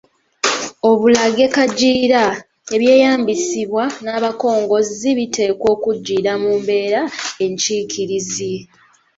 Obulage kagiira: ebyeyambisibwa n’abakongozzi biteekwa okugiira mu mbeera enkiikirizi.